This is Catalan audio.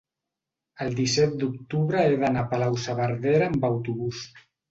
el disset d'octubre he d'anar a Palau-saverdera amb autobús.